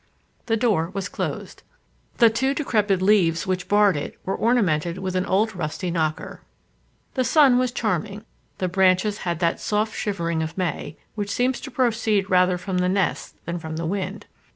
The door was closed. The two decrepit leaves which barred it were ornamented with an old rusty knocker. The sun was charming; the branches had that soft shivering of May, which seems to proceed rather from the nests than from the wind.